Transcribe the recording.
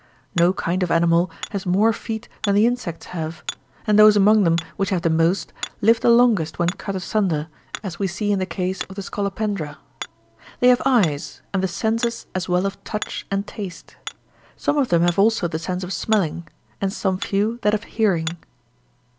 No kind of animal has more feet than the insects have, and those among them which have the most, live the longest when cut asunder, as we see in the case of the scolo pendra. They have eyes, and the senses as well of touch and taste ; some of them have also the sense of smelling, and some few that of hearing.